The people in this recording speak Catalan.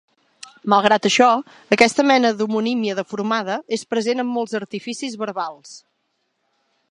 Malgrat això, aquesta mena d'homonímia deformada és present en molts artificis verbals.